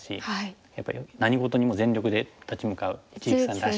やっぱり何事にも全力で立ち向かう一力さんらしい。